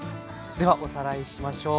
ではおさらいしましょう。